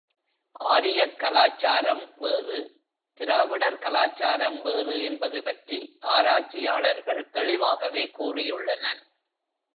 ஆரியக் கலாச்சாரம் வேறு, திராவிடர் கலாச்சாரம் வேறு என்பது பற்றி ஆராய்ச்சியாளர்கள் தெளிவாகவே கூறியுள்ளனர்.